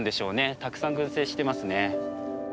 たくさん群生してますね。